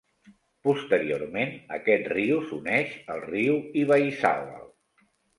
Posteriorment, aquest riu s'uneix al riu Ibaizabal.